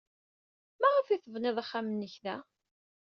Maɣef ay tebnid axxam-nnek da?